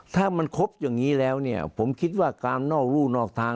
ถ้ามันครบอย่างนี้แล้วเนี่ยผมคิดว่าการนอกรู่นอกทาง